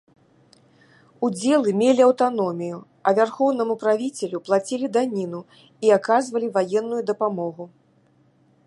Удзелы мелі аўтаномію, а вярхоўнаму правіцелю плацілі даніну і аказвалі ваенную дапамогу.